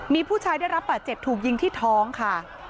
มีผู้ชายได้รับบาดเจ็บถูกยิงที่ท้องค่ะ